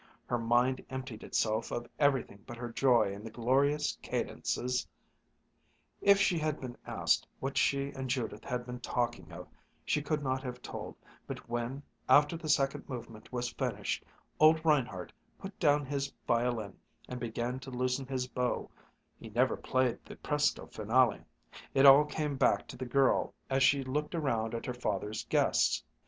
Her mind emptied itself of everything but her joy in the glorious cadences.... If she had been asked what she and Judith had been talking of, she could not have told; but when, after the second movement was finished, old Reinhardt put down his violin and began to loosen his bow (he never played the presto finale), it all came back to the girl as she looked around her at her father's guests.